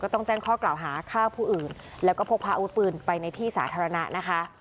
ต้องแจ้งข้อกล่าวหาฆ่าผู้อื่นแล้วก็พกพาอาวุธปืนไปในที่สาธารณะนะคะ